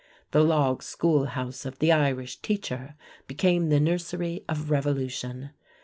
The log schoolhouse of the Irish teacher became the nursery of revolution.